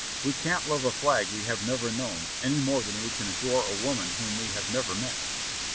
We can't love a flag we have never known any more than we can adore a woman whom we have never met."